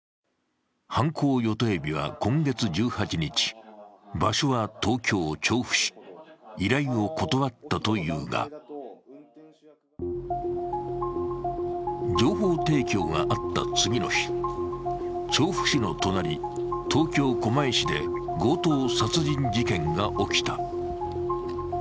犯行予定日は今月１８日、場所は東京・調布市依頼を断ったというが情報提供があった次の日、調布市の隣、東京・狛江市で強盗殺人事件が起きた。